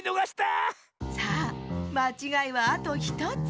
さあまちがいはあと１つ。